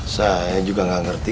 saya juga gak ngerti